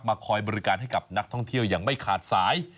คอยบริการให้กับนักท่องเที่ยวอย่างไม่ขาดสาย